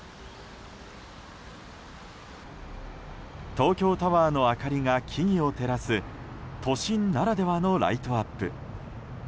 東京タワーの明かりが木々を照らす都心ならではのライトアップ。